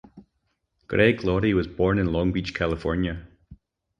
Greg Laurie was born in Long Beach, California.